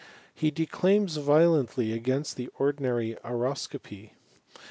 He declaims violently against the ordinary ouroscopy.